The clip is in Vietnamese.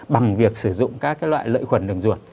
bằng việc sử dụng các loại lợi khuẩn đường ruột